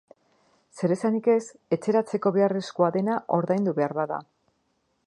Zer esanik ez etxeratzeko beharrezkoa dena ordaindu behar bada.